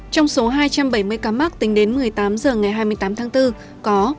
trong số hai trăm bảy mươi ca mắc tính đến một mươi tám h ngày hai mươi tám tháng bốn có